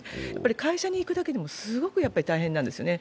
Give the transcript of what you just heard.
会社に行くのだけでも本当に大変なんですね。